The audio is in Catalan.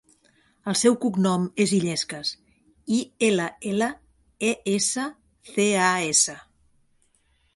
El seu cognom és Illescas: i, ela, ela, e, essa, ce, a, essa.